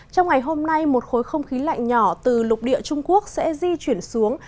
trong ngày hôm nay một khối không khí lạnh nhỏ từ lục địa trung quốc sẽ di chuyển xuống